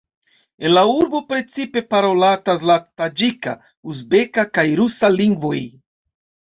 En la urbo precipe parolatas la taĝika, uzbeka kaj rusa lingvoj.